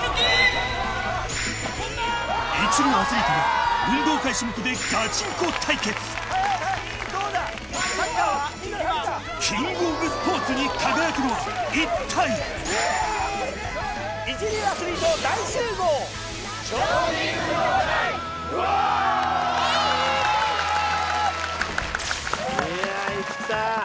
一流アスリートが運動会種目でガチンコ対決キングオブスポーツに輝くのは一体⁉オォ！いや市來さん